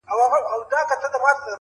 • هر ګستاخ چي په ګستاخ نظر در ګوري ,